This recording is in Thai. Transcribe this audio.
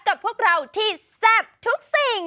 กับพวกเราที่แซ่บทุกสิ่ง